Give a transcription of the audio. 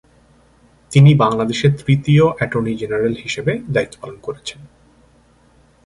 তিনি বাংলাদেশের তৃতীয় এটর্নি জেনারেল হিসাবে দায়িত্ব পালন করেছেন।